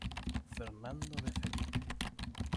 Fernando de Felipe.